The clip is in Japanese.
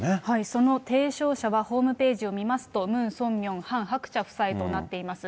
その提唱者はホームページを見ますと、ムン・ソンミョン、ハン・ハクチャ夫妻となっています。